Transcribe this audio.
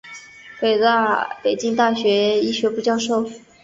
北京大学医学部教授。